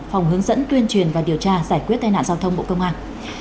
phòng hướng dẫn tuyên truyền và điều tra giải quyết tai nạn giao thông bộ công an